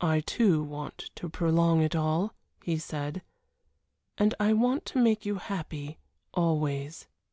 "I, too, want to prolong it all," he said, "and I want to make you happy always."